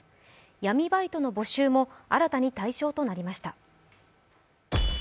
闇バイトの募集も新たに対象となりました。